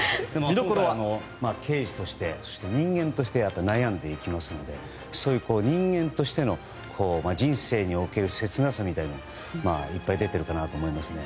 刑事として人間として悩んでいきますのでそういう人間としての人生における切なさみたいなものがいっぱい出てるかなと思います。